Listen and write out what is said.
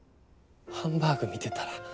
ハンバーグ見てたら。